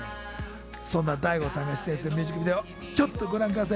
そんな大悟さんが出演するミュージックビデオ、ちょっとご覧ください。